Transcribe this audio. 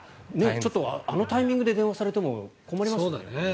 ちょっとあのタイミングで電話されても困りますよね。